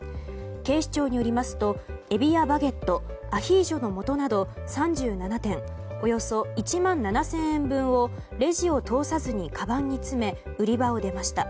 警視庁によりますとエビやバゲットアヒージョのもとなど３７点およそ１万７０００円分をレジを通さずにかばんに詰め売り場を出ました。